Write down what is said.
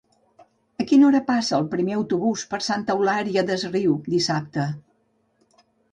A quina hora passa el primer autobús per Santa Eulària des Riu dissabte?